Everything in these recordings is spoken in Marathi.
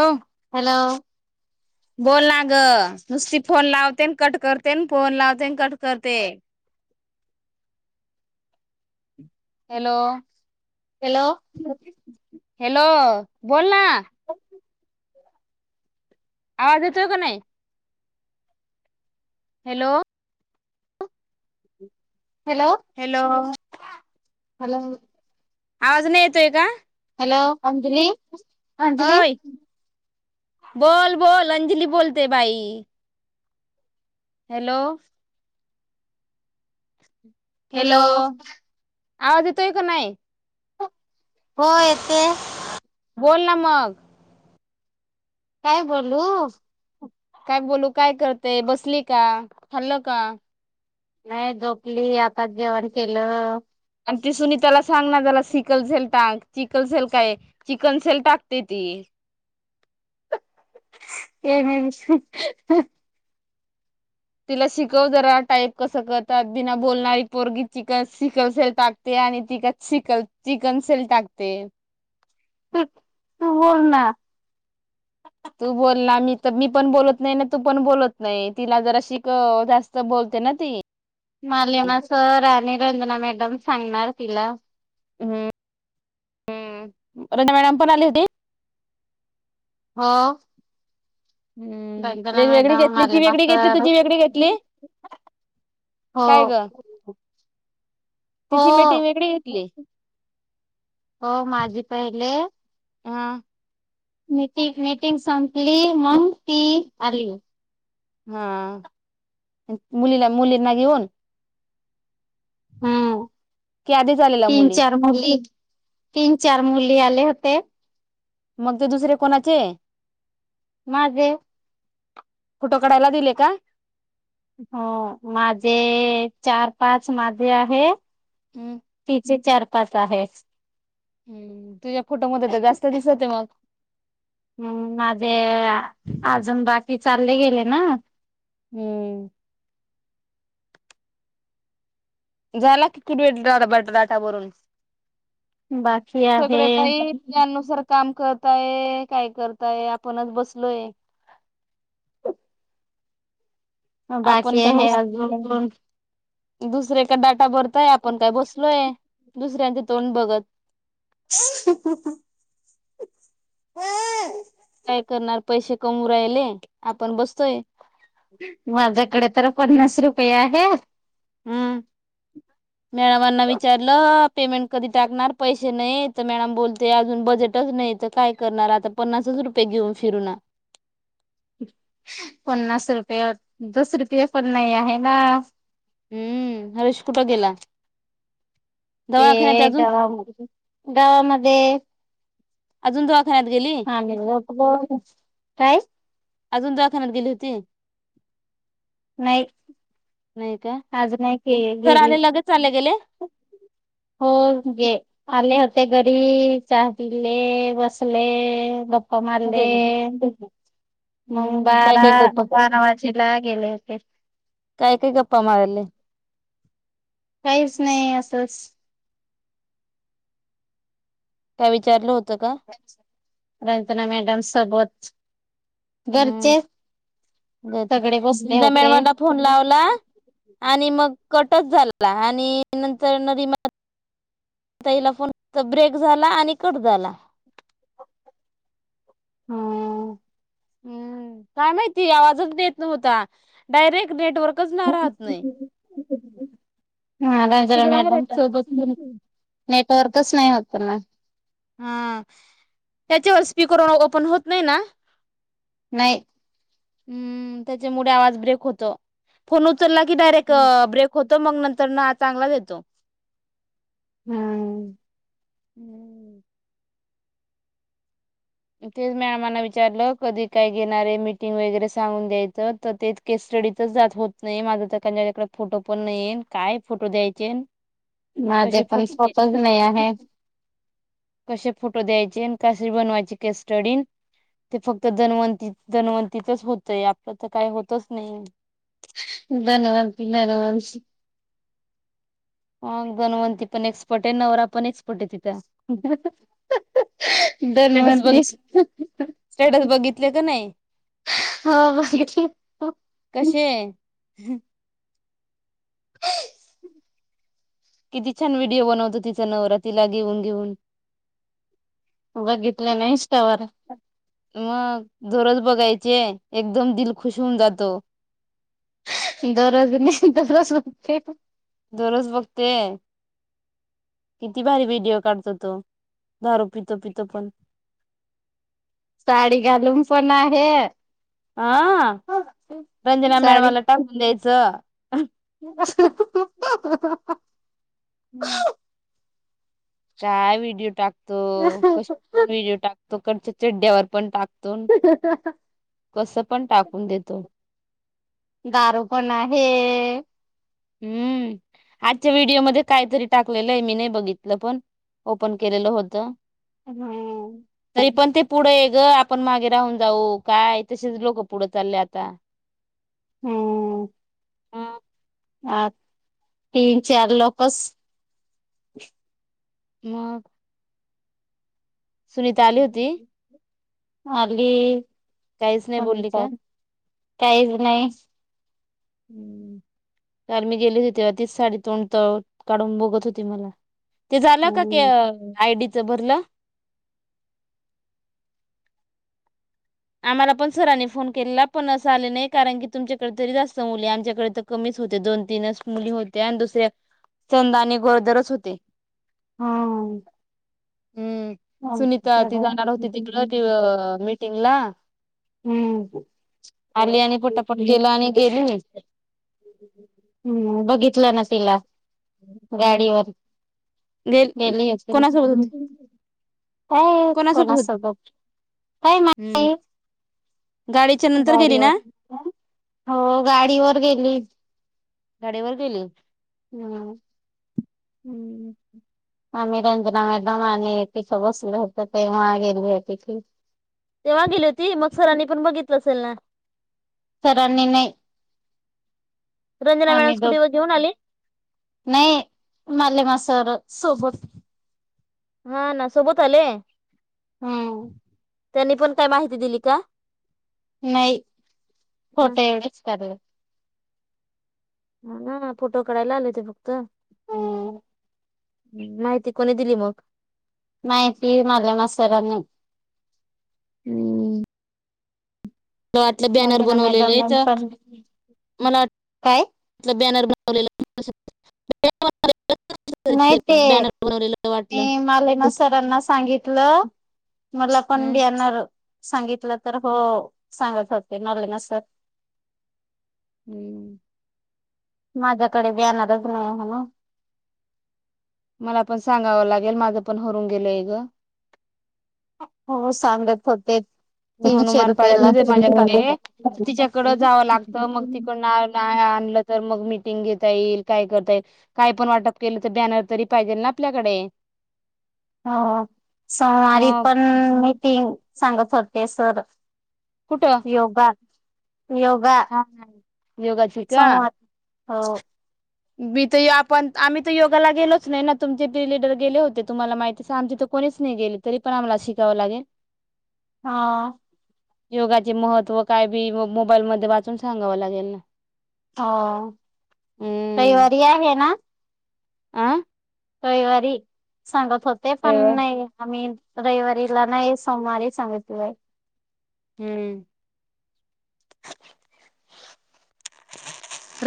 अव. हॅलो! [inaudible] बोल ना गं, नुसती फोन लावते अन कट करते, अन फोन लावते अन कट करते. [inaudible] [inaudible] हॅलो! हॅलो! हॅलो! बोल ना. आवाज येतोय का नाही? हॅलो हॅलो हॅलो हॅलो आवाज नाही येतोय का हॅलो अंजली अंजली अय बोल बोल अंजली बोलते बाई हॅलो हॅलो आवाज येतोय का नाहीय हो येते बोल ना मग काय बोलू काय बोलू काय करतेय बसली का खाल्लं का नाही झोपली आता जेवण केलं आणि ती सुनीताला सांग ना जरा शिकलं झेल टाक हेमे विष [unintelligible] तिला शिकव जरा टाईप कस करतात बिना बोलणारी पोरगी चिक शिकव असेल टाकते आणि तिक च चिकन सल टाकते त तू बोल ना ह तू बोलला मी तर मी पण बोलत नाही ना तू पण बोलत नाही तिला जरा शिक जास्त बोलते ना ती मालिमा सर आणि रंजना मॅडम सांगणार तिला हम्म हम्म रंजणा मॅडम पण आली होती. हा हम्म वेगवेेगळी घेतली ती मालेमा वेगळी घेतली सर तुझी वेगळी घेतली हो काय ग हो तिची मिटिंग वेगळे घेतली हो माझी पहिले हा मीटिंग संपली मग ती आली हा मुलीला मुलींना घेऊन हम् की आधीच आलेला तीन मुली चार मुली तीन चार मुली आले होते. मग ते दुसरे कोणाचे माझे फोटो काढायला दिले का हो माझे चार पाच माझे आहे हम्म तिचे चार पाच आहे. हम्म तुझ्या फोटो मध्ये तर जास्त दिसत आहे मग हम् माझ अजून बाकी चालले गेले ना हम्म झाला का डाटा भरून बाकी आहे सगळे बाई त्यानुसार काम करताय काय करताय आपणच बसलोय बाकी आपण का आहे नसत अजून दुसरे का डाटा भरताय आपण काय बसलोय दुसऱ्यांचे तोंड बघत हम काय करणार पैसे कमवू राहिले आपण बसतोय माझ्याकडे तर पन्नास रुपये आहेत. हम्म मॅडमांना विचारलं पेमेंट करी टाकणार पैसे नाही तर मॅडम बोलते अजून बजेटच नाही तर काय करणार आता पन्नास रुपये घेऊन फिरुना पन्नास रुपये दस रुपये पण नाही आहे ना हम्म हरीश कुठ गेला ते दवाखान्यात अजून गावामध्ये गावामध्ये अज त हा नि काय अजून दवाखान्यात गेली होती नाही नाही का आज नाही के सर गेली आले लगेच चालले गेले हो गे आले होते घरी पिले बसले गप्प गप्पा मारले गेले मग हम्म काय बारा काय गप्पा बारा वाजीला गेले होते काय काय गप्पा मारले काहीच नाही असंच काय विचारलं होत रजना मॅडम सबोत घरचे सगळे बसले होते मॅडमला फोन लावला आणि मग कटच झाला आणि नंतर रिमा ताईला फोन ब्रेक झाला आणि कट झाला हम हम्म काय माहिती आवाजच देत नव्हता डायरेक्ट नेटवर्क च नहात नाही हा ररा तिकडे मॅडम आहे सोबत नेटवर्कच नाही होत ना हा त्याच्यावर स्पीकर ओपन होत नाही ना नाही हम्म त्याच्यामुळे आवाज ब्रेक होतो फोन उचलला की डायरेक्ट ब्रेक होत तो मग नंतर ना चांगला देतो हम्म हम्म तेच मॅडमांना विचारलं कधी काय घेणारे मीटिंग वगैरे सांगून द्यायचं तर तेच केस स्टडीतच जात होत नाही माझा तर त्यांकडे फोटो पण नाहीन काय फोटो द्यायचे माझे कसे पण फोटो स्वपच द्यायचे. नाही आहे कसे फोटो द्यायचे कसे बनवायचे कस्टडी ते फक्त दन्वंती दनवंतीतच होतय आपलं तर काही होतच नाही धनव धनवांश हग गनवंती पण एक्सपर्ट आहे नवरा पण एक्सपर्ट आहे तिथ स्टेटस धनवंती दिल की नाही हा क किती छान व्हिडिओ बनवतो तिचा नवरातिला घेऊन घेऊन बघितितलं ना इन्स्टा वर मग दररोज बघायचे एकदम दिल खुश होऊन जातो दररोज नाही दररोज दररोज बघते किती भारी व्हिडिओ काढतो तो दारू पितो पितो पण साडी घालून पण आहे हा रंजना मॅडमाला टाकून द्यायचं ह्ह हम्म काय व्हिडिओ टाकतो कशी पण व्हिडिओ टाकतो कडच्या चड्ड्यावर पण टाकतो कस पण टाकून देतो दारू पण आहे हम्म आजच्या व्हिडिओमध्येध्ये काहीतरी टाकलेलं आहे मी नाही बघितलं पण ओपन केलेलं होतं हम्म तरी पण ते पुढं आहे ग आपण मागे राहून जाऊ काय तसेच लोक पुढं चालले आता हम्म हा ह तीन चार लोकच मग सुनीता आली होती अली काहीच नाही बोलली का काहीच नाही हम्म काल मी गेली होती तीच साडी तोंड त काढून बघत होती मला ते झालं का हम्म आयडीच भरलं आम्हाला पण सराांनी फोन केला पण असं आले नाही कारण की तुमच्याकडे तरी जास्त मुली आमच्याकडे कमी होते दोन तीनच मुली होते आणि दुसरे संद आणि गोरदरच होते हा हम्म हम्म सुनीता ती जाणार होती तिकडे मीटिंग ला आली आणि पोटापट गेला आणि गेली नाही हम्म बघितलं ना तिला हम्म गाडीवर गेल गेली होते कोणासोबत होती काय कोणासोबत कोणा होती सब काय मा हम्म गाडीच्या नंतर गेली ना हो गाडीवर गेली गाडीवर गेले हम्म हम् आम्ही रंजना मॅडम आणि तिथं बसल होतं तेव्हा गेली आहे तिथे तेव्हा गेली होती मगसरनी पण बघितलं असेल ना सर न नाहीय रंजना मॅडम आम्ही दोघ स्कुटीवर घेऊन आले नाही मले मासर सोबत हा ना सोबत आले हम्म त्यांनी पण काय माहिती दिली का नाही फोटं एवढेच करराज हा ना फोटो काढायला आले होते फक्त हम्म माहिती कोणी दिली मग माहिती मला मा सरांनी हम्म मला वाटलं बॅनर रंजना मॅडम बनवलेलं पण मला काय वाट बॅनर बन बनवलेलं असल नाही ते, वाटलं मी माले ना सरांना सांगित लं मला पण हम्म ब्याणर सांगितलं तर हो, सांगत होते [unintelligible] नसर हम माझ्याकडे ब्याणारच नाही म्हणून मला पण सांगावं लागेल, माझं पण हरून गेलंय ग. हो. सांगत होते तीनशे हनुमान रुपये पाडच लागतील माझ्याकडे, तिच्याकड जावं लागत मग तिकनड आणलं, तर मग मी मीटींग घेता येईल, काय करता येईल? काय पण वाटप केलं, तर बॅनर तरी पाहिजेल ना आपल्याकडे [inaudible] हो. सोमवारी मग पण मीटिंग सांगत होते सर कुठं योगा योगा हा योगा च का? सोमवार हो मी तर आपण आम्ही तर योगाला गेलोच नाही ना. तुमचे बी लीडर गेले होते. तुम्हाला माहिती आमची इथ कोणी नाही गेले तरी पण आम्हाला शिकावं लागे हा. योगाचे महत्त्व काय बी मोबाईलमध्ये वाचून सांगावं लागेल ना. हो. रइवारी आहे ना? आह रइवारी सांगत होते, पण नाही आम्ही रइवारीला नाही, सोमवारी सांगितलय. हम्म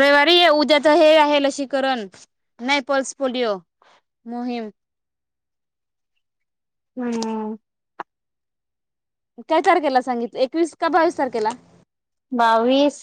रविवारी ये, उद्या तर हे आहे. लसीकरण नाही, पल्स पोलिओ मोहीम हम्म काय तारखेला सांगित, एकवीस का बावीस तारखेला? बावीस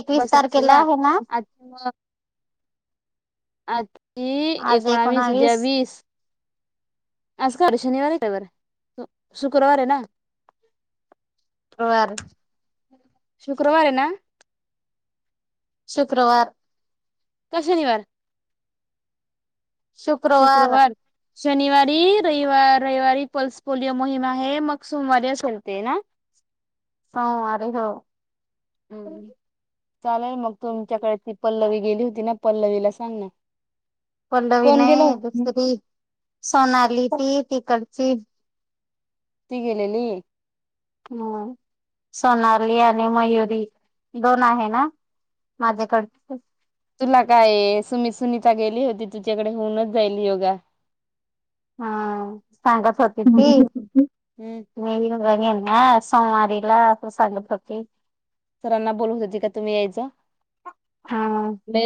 एकवीस तारखेला हो ना. आी एकोणावीस, उद्या वीस आज कार शनिवारी काय यवर शुक्रवार आहे ना [inaudible] [unintelligible] शुक्रवार आहे ना शुक्रवार काय शनिवार? शुक्रवार शनिवारी रविव रविवारी पल्स पोलिओ मोहीम आहे, मग सोमवारी असेल ते ना? [inaudible] [unintelligible] हम्म् चालेल मग तुमच्याकडे, ती पल्लवी गेली होती ना पल्लवीला सांग ना पल्लवी कोण गेलो नाही, दुसरी सोनाली ती तिकडची ती गेलेली हम् सोनाली आणि मयुरी दोन आहे ना? माजा करत तुला काय सु्ी सुनीता गेली होती. तुझ्याकडे होऊनच जाईल योगा हा सांगत होती ती, हम्म मी हा सोमवारीला सांगत होती सरांना बोलू हो का तुम्ही यायच? हा म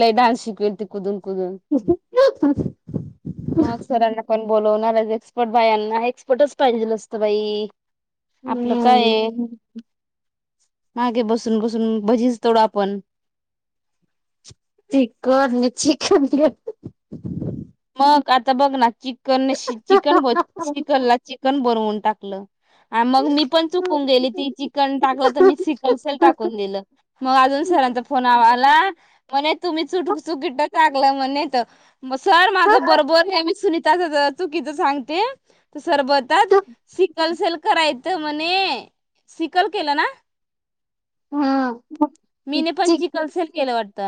ल डानस शिकती कुदून कुदून मगसर बोलवणारच एक्सपर्ट बाया यांना एक्सपर्टच पाहिजे असतं बाई आपलं काय हम्म मागे बसून बसून भजीच तळू आपण चिकन चिकन म का आता बघ ना चिकनने चिकन ब चिकन ला चिकन बनवून टाकलं मग मी पण चुकून गेली ती चिकन टाकलं तर मी कल टाकून दिलं मग सरांचा फोन आला म्हणे तुम्ही चुटू चुकीचं का सर माझ हम्म बरोबर आहे मी सुनीताच चुकीच सांगते सरबतात सिकल सेल करायचं म्हणे सिकल केलं ना चिक मीने पण चिक चिकलसेल केलं वाटत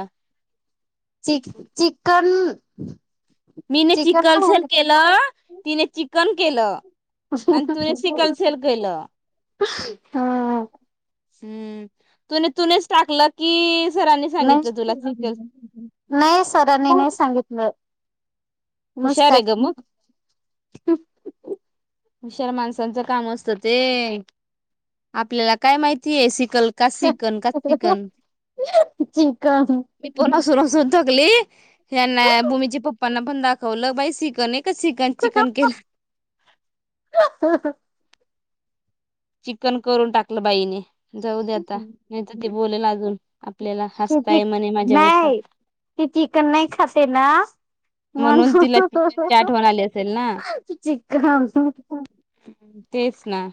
चिक चिकन मीने चिकन सेल केलं तिने चिकन केलं आणि तुने सिकल सेल केलं हा हम्म तूने तूनेच टाकलं की सरांनी सांगितलं तुला नाही शिकल नाही सरांनी नाही सांगितलं मस्त हुशार आहे ग मग हुशार माणसांचं काम असत ते आपल्याला काय माहितीय सिकल सिकन का फिकन चिकन धकली यांना भूमीच्या पप्पांना पण दाखवलं बाई सिकन आहे का सिकन चिकन केलं [inaudible] [inaudible] चिकन करून टाकलं बाईने जाऊ दे आता नाही तर ते बोलेल अजून आपल्याला ते हसताय चिक म्हणे माझ्यावरचा नाही ते चिकन नाही खाते ना म्हणून तिला चिकन चाट म्हणाली असेल ना चिकन तेच ना